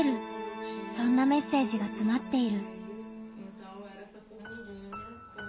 そんなメッセージがつまっている。